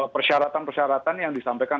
persyaratan persyaratan yang disampaikan